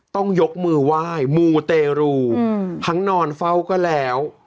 ต้องยกมือไหว้มูเตรูทั้งนอนเฝ้าก็แล้ว